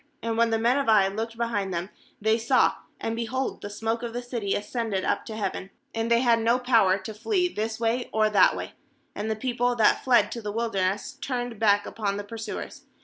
20And when the men of Ai looked behind them, they saw, and, behold, the smoke of the city ascended up to heaven, and they had no power to flee this way or that way; and the people that fled to the wilderness turned back upon the pursuers.